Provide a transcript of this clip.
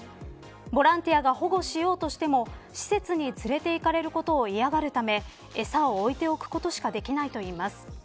ボランティアが保護しようとしても施設に連れて行かれることを嫌がるため餌を置いておくことしかできないといいます。